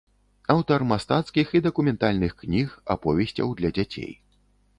Аўтар мастацкіх і дакументальных кніг, аповесцяў для дзяцей.